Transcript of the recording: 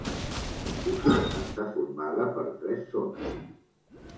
Usa està formada per tres zones.